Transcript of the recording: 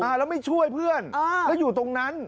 แล้วไม่ช่วยเพื่อนแล้วอยู่ตรงนั้น